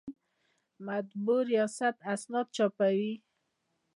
د مطبعې ریاست اسناد چاپوي